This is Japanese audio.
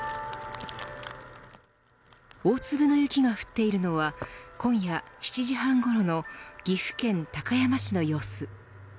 大粒の雪が降っているのは今夜７時半ごろの岐阜県高山市の様子。